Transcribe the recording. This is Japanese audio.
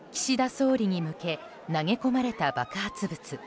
総理に向け投げ込まれた爆発物。